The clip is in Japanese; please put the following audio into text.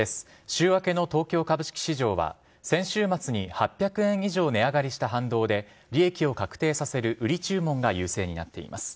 週明けの東京株式市場は、先週末に８００円以上値上がりした反動で、利益を確定させる売り注文が優勢になっています。